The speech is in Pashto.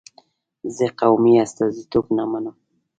زه قومي استازیتوب نه منم.